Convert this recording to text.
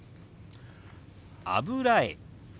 「油絵」。